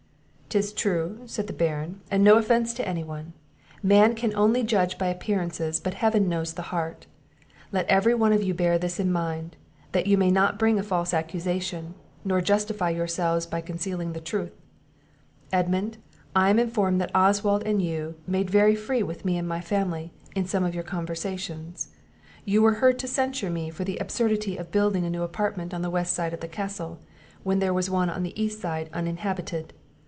"'Tis true," said the Baron, "and no offence to any one; man can only judge by appearances, but Heaven knows the heart; Let every one of you bear this in mind, that you may not bring a false accusation, nor justify yourselves by concealing the truth. Edmund, I am informed that Oswald and you have made very free with me and my family, in some of your conversations; you were heard to censure me for the absurdity of building a new apartment on the west side of the castle, when there was one on the east side uninhabited.